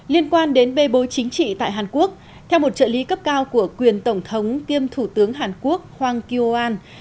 liên quan đến bê bối chính trị tại hàn quốc theo một trợ lý cấp cao của quyền tổng thống kiêm thủ tướng hàn quốc hwang kyo an